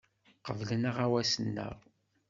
Qeblen aɣawas-nneɣ.